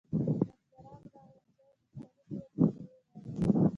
خدمتګاران راغلل، چای او مختلفې وچې مېوې يې راوړې.